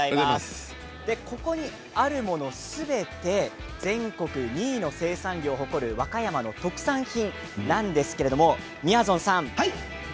ここにあるものは、すべて全国２位の生産量を誇る和歌山の特産品なんですけれどもみやぞんさん